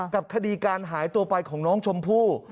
กับคดีการหายตัวไปของน้องชมพู่